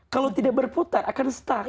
kalau tidak berputar akan stuck